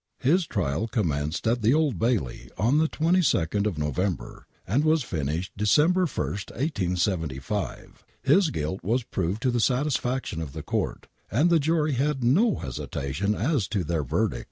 His trial commenced at the Old Bailey on the 22nd of Novem ber, and was finished December 1st, 1875. His guilt was proved to the satisfaction of the court, and the jury hi no hesitation as to their verdict.